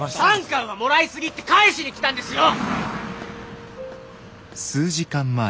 ３缶はもらいすぎって返しに来たんですよ！